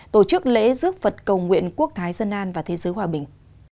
tổ chức lễ giúp phật cầu nguyện quốc thái dân an và thế giới hòa bình